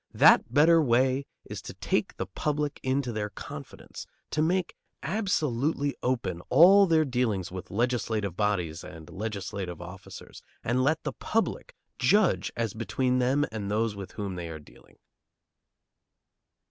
That better way is to take the public into their confidence, to make absolutely open all their dealings with legislative bodies and legislative officers, and let the public judge as between them and those with whom they are dealing.